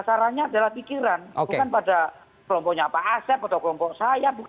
sarannya adalah pikiran bukan pada kelompoknya pak asep atau kelompok saya